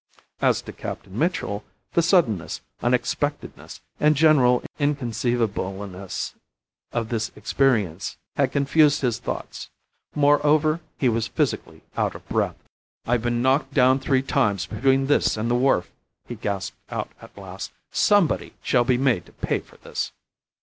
As to Captain Mitchell, the suddenness, unexpectedness, and general inconceivableness of this experience had confused his thoughts. Moreover, he was physically out of breath. "I've been knocked down three times between this and the wharf," he gasped out at last. "Somebody shall be made to pay for this."